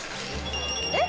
えっ？